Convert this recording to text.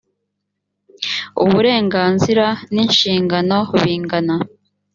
uburenganzira n inshingano bingana